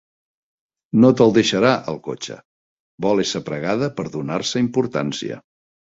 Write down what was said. No te'l deixarà, el cotxe; vol ésser pregada per donar-se importància.